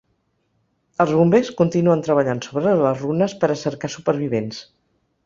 Els bombers continuen treballant sobre les runes per a cercar supervivents.